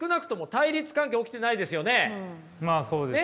まあそうですね。